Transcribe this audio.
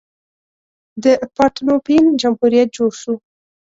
د پارتنوپین جمهوریت جوړ شو.